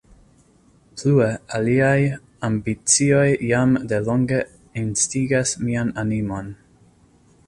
Plue, aliaj ambicioj jam de longe instigas mian animon.